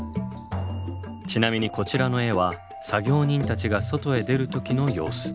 ちなみにこちらの絵は作業人たちが外へ出る時の様子。